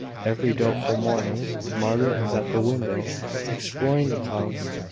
Every doubtful morning, Margaret was at the window exploring the clouds.